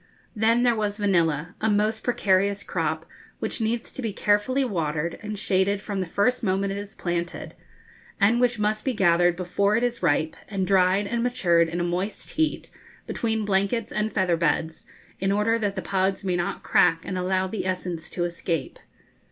Then there was vanilla, a most precarious crop, which needs to be carefully watered and shaded from the first moment it is planted, and which must be gathered before it is ripe, and dried and matured in a moist heat, between blankets and feather beds, in order that the pods may not crack and allow the essence to escape.